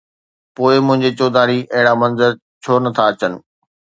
پوءِ منهنجي چوڌاري اهڙا منظر ڇو نه ٿا اچن؟